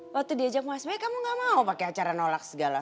waktu diajak mu sma kamu gak mau pake acara nolak segala